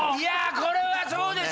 これはそうでしょ！